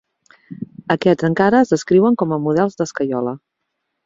Aquests encara es descriuen com a models d'escaiola.